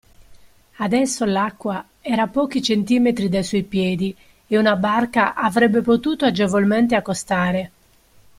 Adesso l'acqua era a pochi centimetri dai suoi piedi e una barca avrebbe potuto agevolmente accostare.